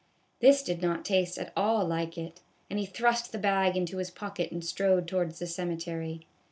This did not taste at all like it, and he thrust the bag into his pocket and strode towards the cemetery.